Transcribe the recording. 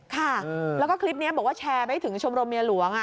ค่ะแล้วก็คลิปนี้บอกว่าแชร์ไปถึงชมรมเมียหลวง